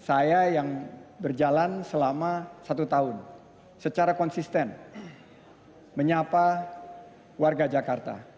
saya yang berjalan selama satu tahun secara konsisten menyapa warga jakarta